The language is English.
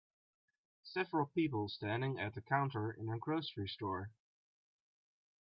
Several people standing at a counter in a grocery store.